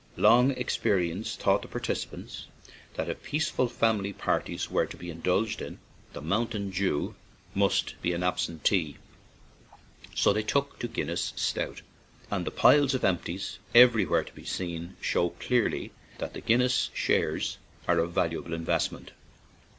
Long experi ence taught the participants that if peace ful family parties were to be indulged in, the "mountain dew" must be an absentee; so they took to Guinness's stout, and the piles of "empties/' everywhere to be seen, show clearly that the Guinness shares are a valuable investment.